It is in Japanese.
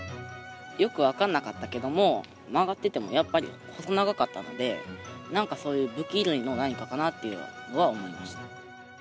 よく分かんなかったけれども、曲がってても、やっぱり細長かったので、なんかそういう武器類の何かかなというのは思いました。